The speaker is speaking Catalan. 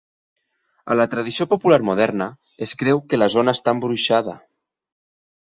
A la tradició popular moderna, es creu que la zona està embruixada.